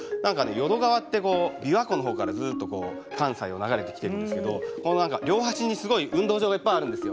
淀川ってこう琵琶湖の方からずっと関西を流れてきてるんですけど両端にすごい運動場がいっぱいあるんですよ。